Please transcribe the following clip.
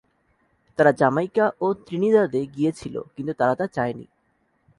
তারা জামাইকা ও ত্রিনিদাদে গিয়েছিল কিন্তু তারা তা চায়নি।